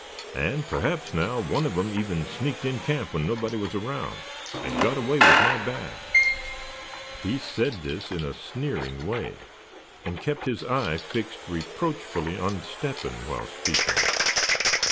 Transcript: And perhaps now, one of 'em even sneaked in camp when nobody was around, and got away with my bag." He said this in a sneering way, and kept his eye fixed reproachfully on Step hen while speaking.